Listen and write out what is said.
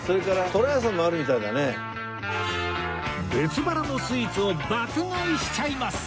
別腹のスイーツを爆買いしちゃいます！